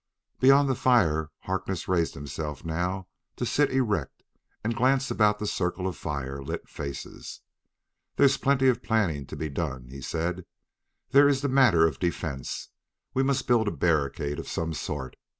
Beyond the fire, Harkness raised himself now to sit erect and glance about the circle of fire lit faces. "There's plenty of planning to be done," he said. "There is the matter of defense; we must build a barricade of some sort.